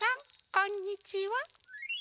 こんにちは！